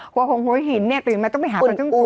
หัวหงหัวหินเนี่ยตื่นมาต้องไปหาปลาท่องโกเนอะ